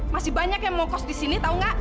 masih banyak yang mau kos di sini tahu nggak